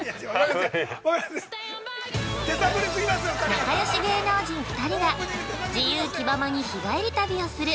◆仲よし芸能人２人が自由気ままに日帰り旅をする。